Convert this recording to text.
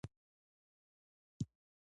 د هیوادونو موافقه نړیوال مقررات رامنځته کوي